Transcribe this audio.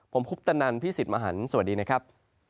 ผมคุปตนันพี่สิทธิ์มหันฯสวัสดีนะครับ